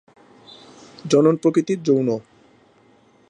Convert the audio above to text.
জনন প্রকৃতি যৌন।